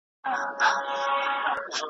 خوله په غاښو ښه ښکاري .